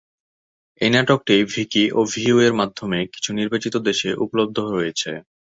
এই নাটকটি ভিকি ও ভিউ এর মাধ্যমে কিছু নির্বাচিত দেশে উপলব্ধ রয়েছে।